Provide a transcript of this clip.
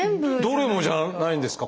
どれもじゃないんですか？